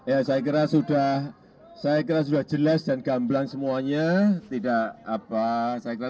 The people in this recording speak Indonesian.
ya saya kira sudah saya kira sudah jelas dan gamblang semuanya tidak apa saya kira